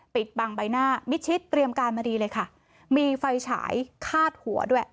ปิดบังใบหน้ามิดชิดเตรียมการมาดีเลยค่ะมีไฟฉายคาดหัวด้วย